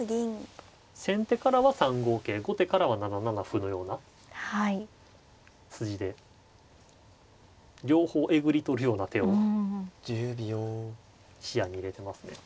先手からは３五桂後手からは７七歩のような筋で両方えぐり取るような手を視野に入れてますね。